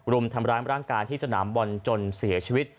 รุมทำร้ายร่างกายที่สนามบอลจนเสียชีวิต